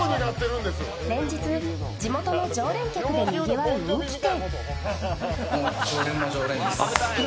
連日、地元の常連客でにぎわう人気店。